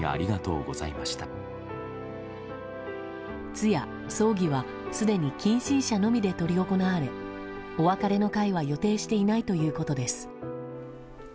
通夜・葬儀はすでに近親者のみで執り行われお別れの会は予定していないということです。